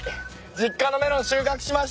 実家のメロン収穫しました。